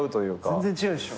全然違うっしょ？